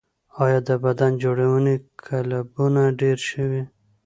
آیا د بدن جوړونې کلبونه ډیر شوي؟